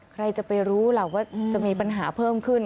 ใครจะไปรู้ล่ะว่าจะมีปัญหาเพิ่มขึ้น